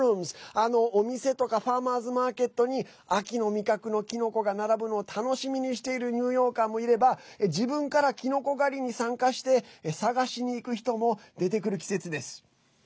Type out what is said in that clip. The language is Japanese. お店とかファーマーズマーケットに秋の味覚のキノコが並ぶのを楽しみにしているニューヨーカーもいれば自分からキノコ狩りに参加して探しに行く人も出てくる季節です。